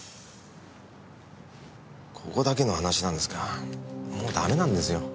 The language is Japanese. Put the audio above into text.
ここだけの話なんですがもうダメなんですよ。